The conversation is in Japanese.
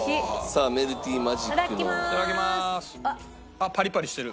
あっパリパリしてる。